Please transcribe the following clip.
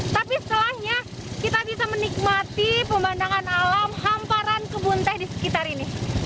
tapi setelahnya kita bisa menikmati pemandangan alam hamparan kebun teh di sekitar ini